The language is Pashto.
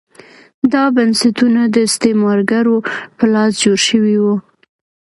دا بنسټونه د استعمارګرو په لاس جوړ شوي وو.